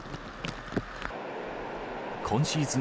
今シーズン